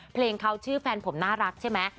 เพลงเขาชื่อแฟนผมน่ารักใช่ไหม